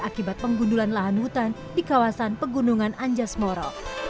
akibat penggundulan lahan hutan di kawasan pegunungan anjas moro